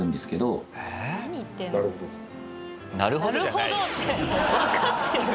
「なるほど」ってわかってる？